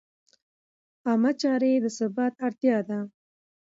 عامه چارې د ثبات اړتیا ده.